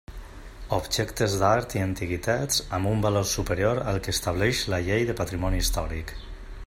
Objectes d'art i antiguitats amb un valor superior al que estableix la Llei del patrimoni històric.